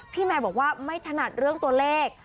แมวบอกว่าไม่ถนัดเรื่องตัวเลข